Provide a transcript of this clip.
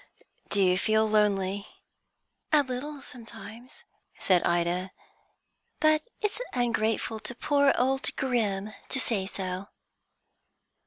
"Do you feel lonely?" "A little, sometimes," said Ida. "But it's ungrateful to poor old Grim to say so."